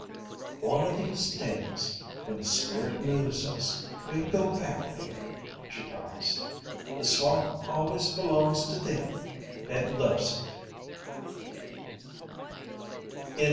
"One o' these days, when the spirit moves us, we'll go back there," she promised. "The swamp always belongs to them that loves it!"